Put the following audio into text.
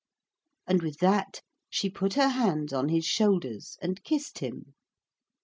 And with that she put her hands on his shoulders and kissed him.